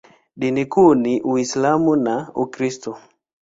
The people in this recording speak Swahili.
Dini kuu ni Uislamu na Ukristo.